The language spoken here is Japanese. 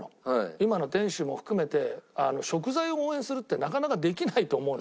今の店主も含めて食材を応援するってなかなかできないと思うの。